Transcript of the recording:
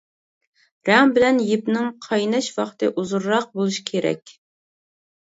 رەڭ بىلەن يىپنىڭ قايناش ۋاقتى ئۇزۇنراق بولۇشى كېرەك.